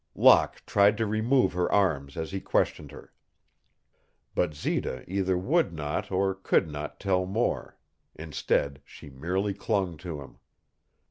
Locke tried to remove her arms as he questioned her. But Zita either would not or could not tell more. Instead she merely clung to him.